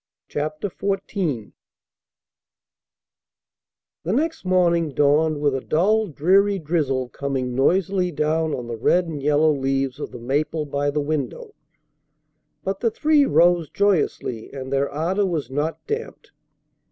CHAPTER XIV The next morning dawned with a dull, dreary drizzle coming noisily down on the red and yellow leaves of the maple by the window; but the three rose joyously and their ardor was not damped.